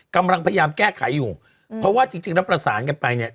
กำลังพยายามแก้ไขอยู่เพราะว่าจริงจริงแล้วประสานกันไปเนี่ย